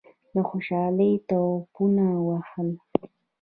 له خوشالۍ ټوپونه ووهل.